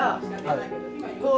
はい。